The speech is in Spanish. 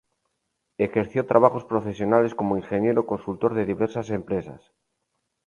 Ejerció trabajos profesionales como ingeniero consultor de diversas empresas.